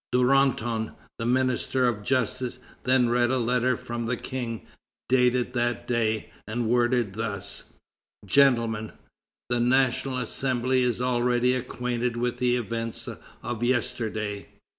Duranton, the Minister of Justice, then read a letter from the King, dated that day, and worded thus: "Gentlemen, the National Assembly is already acquainted with the events of yesterday.